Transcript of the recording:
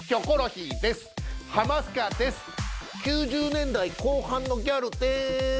９０年代後半のギャルです。